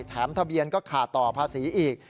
ทะเบียนก็ขาดต่อภาษีอีก